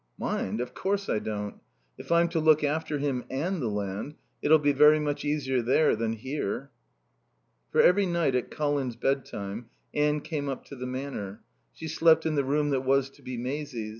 "Mind? Of course I don't. If I'm to look after him and the land it'll be very much easier there than here." For every night at Colin's bedtime Anne came up to the Manor. She slept in the room that was to be Maisie's.